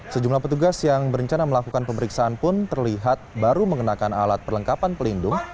sejumlah petugas yang berencana melakukan pemeriksaan pun terlihat baru mengenakan alat perlengkapan pelindung